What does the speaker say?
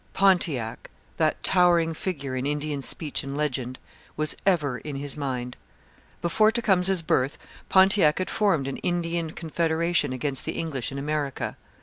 Pontiac, that towering figure in Indian speech and legend, was ever in his mind. Before Tecumseh's birth Pontiac had formed an Indian confederation against the English in America.